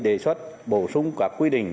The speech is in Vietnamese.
đề xuất bổ sung các quy định